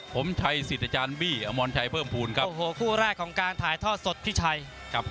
ผมชัยสิทธิ์อาจารย์บี้อมรชัยเพิ่มภูมิครับโอ้โหคู่แรกของการถ่ายทอดสดพี่ชัยครับ